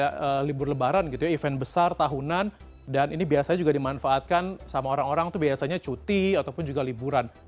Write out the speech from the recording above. ada libur lebaran gitu ya event besar tahunan dan ini biasanya juga dimanfaatkan sama orang orang itu biasanya cuti ataupun juga liburan